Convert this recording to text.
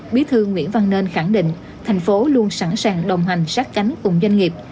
bí thư nguyễn văn nên khẳng định thành phố luôn sẵn sàng đồng hành sát cánh cùng doanh nghiệp